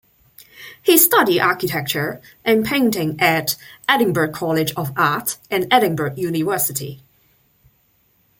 He studied architecture and painting at Edinburgh College of Art and Edinburgh University.